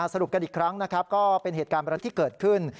สรุปกันอีกครั้งก็เป็นเหตุการณ์ที่เกิดขึ้น